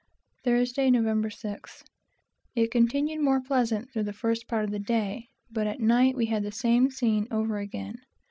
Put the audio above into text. Thursday, Nov. 6th. It continued more pleasant through the first part of the day, but at night we had the same scene over again.